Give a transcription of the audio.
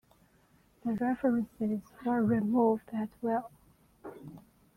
The references were removed as well.